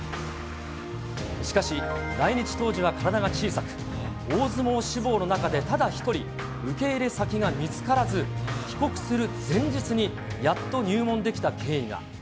しかし来日当時は体が小さく、大相撲志望の中でただ一人、受け入れ先が見つからず、帰国する前日にやっと入門できた経緯が。